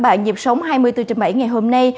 bạn nhịp sống hai mươi bốn trên bảy ngày hôm nay